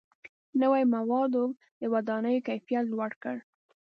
• نوي موادو د ودانیو کیفیت لوړ کړ.